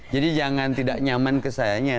jadi jangan tidak nyaman ke sayanya